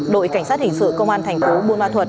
đội cảnh sát hình sự công an thành phố buôn ma thuật